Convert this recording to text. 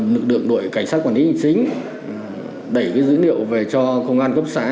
lực lượng đội cảnh sát quản lý hình chính đẩy dữ liệu về cho công an cấp xã